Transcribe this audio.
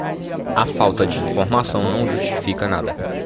A falta de informação não justifica nada.